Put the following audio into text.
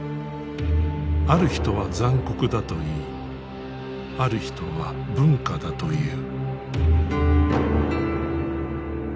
ある人は残酷だといいある人は文化だという。